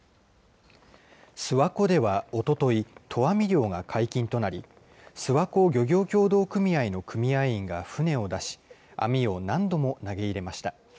諏訪湖では、おととい、投網漁が解禁となり、諏訪湖漁業協同組合の組合員が船を出し、網を何度も投げ入れました。